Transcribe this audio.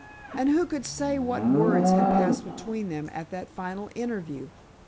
And who could say what words had passed between them at that final interview?